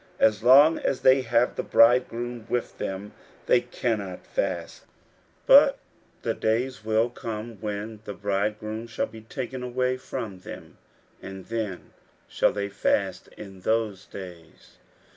as long as they have the bridegroom with them, they cannot fast. 41:002:020 But the days will come, when the bridegroom shall be taken away from them, and then shall they fast in those days.